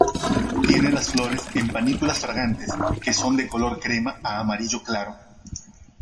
Tiene las flores en panículas fragantes que son de color crema a amarillo claro.